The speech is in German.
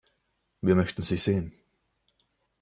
Wir möchten sie sehen.